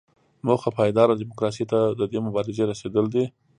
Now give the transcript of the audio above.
موخه پایداره ډیموکراسۍ ته د دې مبارزې رسیدل دي.